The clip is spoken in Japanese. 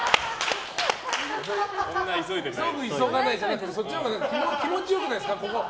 急ぐ急がないじゃなくてそっちのほうが気持ちよくないですか？